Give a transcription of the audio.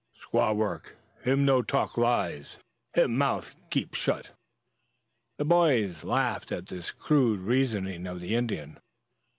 "Squaw work, him no talk lies. Him mouth keep shut." The boys laughed at this crude reasoning of the Indian.